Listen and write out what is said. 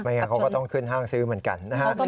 งั้นเขาก็ต้องขึ้นห้างซื้อเหมือนกันนะฮะ